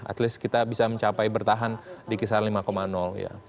at least kita bisa mencapai bertahan di kisaran lima ya